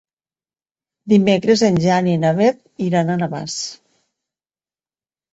Dimecres en Jan i na Beth iran a Navàs.